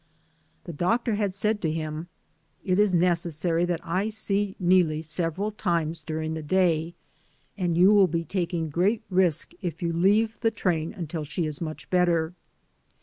The doctor had said to him, 'It is neces sary that I see Neelie several times during the day, and you will be taking great risk if you leave the train until she is much better."